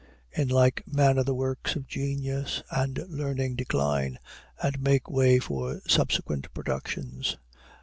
In like manner the works of genius and learning decline, and make way for subsequent productions.